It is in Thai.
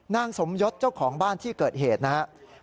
นางสมยศเจ้าของบ้านที่เกิดเหตุนะครับ